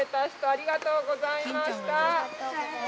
ありがとうございます。